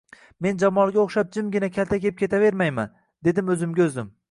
Men Jamolga oʻxshab jimgina kaltak yeb ketavermayman, dedim oʻzimga oʻzim.